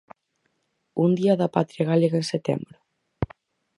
Un Día da Patria Galega en Setembro?